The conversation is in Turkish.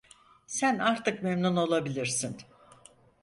Sen artık memnun olabilirsin!